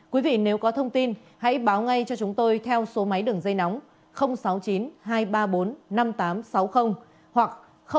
quý vị nếu có thông tin hãy báo ngay cho chúng tôi theo số máy đường dây nóng sáu mươi chín hai trăm ba mươi bốn năm nghìn tám trăm sáu mươi hoặc sáu mươi chín hai trăm ba mươi một hai nghìn sáu trăm bảy